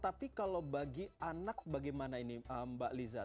tapi kalau bagi anak bagaimana ini mbak liza